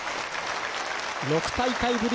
６大会ぶり